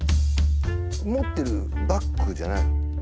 持ってるバッグじゃないの？